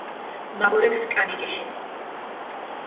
მა ვორექ სკანი ჯიში